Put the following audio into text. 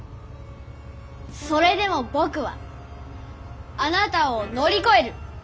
それでもぼくはあなたを乗り越える。